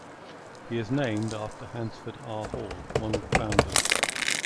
It is named after Hansford R. Hall, one of the founders.